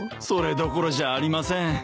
それどころじゃありません。